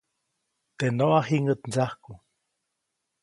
Teʼ noʼa jiŋäʼt ndsajku.